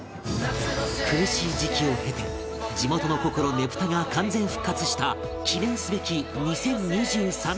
苦しい時期を経て地元の心ねぷたが完全復活した記念すべき２０２３年の夏